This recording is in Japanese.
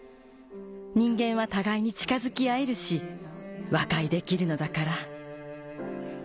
人間は互いに近づき合えるし和解できるのだから。